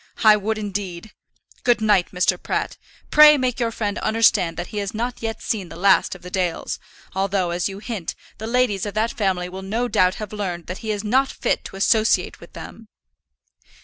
I would, indeed. Good night, Mr. Pratt. Pray make your friend understand that he has not yet seen the last of the Dales; although, as you hint, the ladies of that family will no doubt have learned that he is not fit to associate with them."